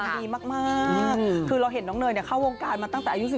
ดีมากคือเราเห็นน้องเนยเข้าวงการมาตั้งแต่อายุ๑๓